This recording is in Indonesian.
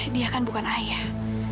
dia kan bukan ayah